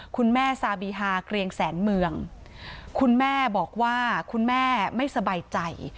คุณแม่ซาบีฮาเกรียงแสนเมืองคุณแม่บอกว่าคุณแม่ไม่สบายใจ